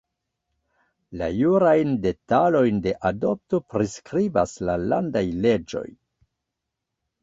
La jurajn detalojn de adopto priskribas la landaj leĝoj.